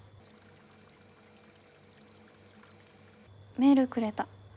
メールくれた。